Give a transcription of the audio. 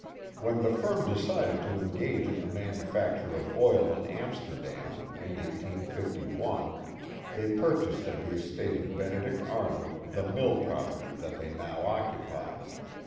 When the firm decided to engage in the manufacture of oil in Amsterdam, in 1851, they purchased of the estate of Benedict Arnold the mill property they now occupy.